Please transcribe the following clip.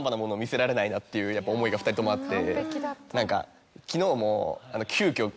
っていう思いが２人ともあって。